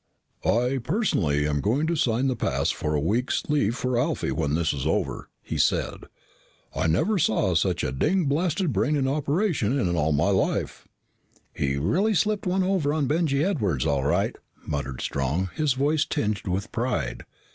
"I, personally, am going to sign the pass for a week's leave for Alfie when this is over," he said. "I never saw such a ding blasted brain in operation in all my life." "He really slipped one over on Benjy Edwards all right," muttered Strong, his voice tinged with pride.